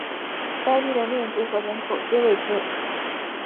该地的面积和人口皆未知。